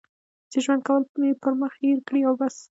چې ژوند کول یې پر مخ هېر کړي او بس.